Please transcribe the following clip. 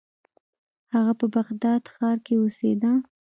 هغه په بغداد ښار کې اوسیده.